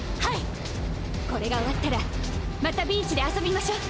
これが終わったらまたビーチで遊びましょ。